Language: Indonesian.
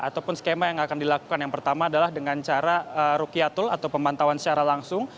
ataupun skema yang akan dilakukan yang pertama adalah dengan cara rukyatul atau pemantauan secara langsung